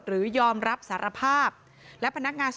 หรือยอมรับสารภาพ